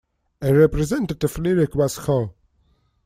A representative lyric was Ho!